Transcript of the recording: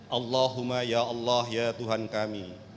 allahumma ya allah ya tuhan kami